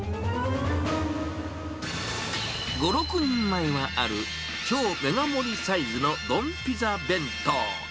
５、６人前はある超メガ盛りサイズの丼ピザ弁当。